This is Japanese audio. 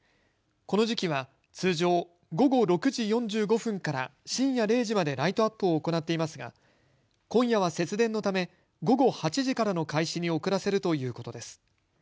この時期は通常、午後６時４５分から深夜０時までライトアップを行っていますが今夜は節電のため午後８時からの開始に遅らせるということです。